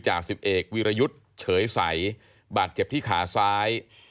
สิบเอกวีรยุทธ์เฉยใสบาดเจ็บที่ขาซ้าย